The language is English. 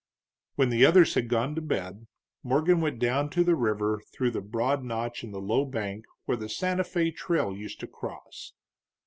When the others had gone to bed, Morgan went down to the river through the broad notch in the low bank where the Santa Fé Trail used to cross.